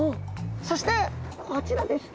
そしてこちらです。